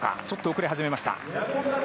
ちょっと遅れ始めました。